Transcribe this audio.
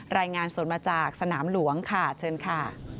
รายงานสดมาจากสนามหลวงค่ะเชิญค่ะ